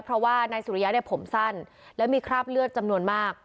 เพราะว่านายสุริยะเนี่ยผมสั้นแล้วมีคราบเลือดจำนวนมาก